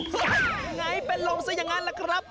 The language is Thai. หัง่ายเป็นลองซะอย่างงั้นล่ะครับ